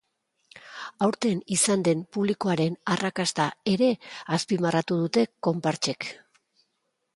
Aurten izan den publikoaren arrakasta ere azpimarratu dute konpartsek.